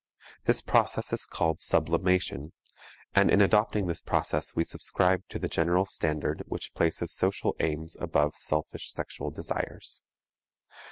This process is called "sublimation," and in adopting this process we subscribe to the general standard which places social aims above selfish sexual desires.